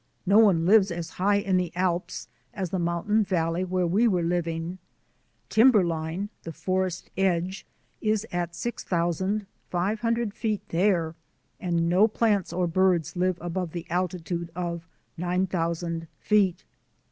No one lives as high in the Alps as the mountain valley where we were living; timber line — the forest edge — is at 6,500 feet there, and no plants or birds live above the altitude of 9,000 feet.